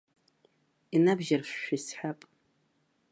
Инабжьаршәшәа исҳәап.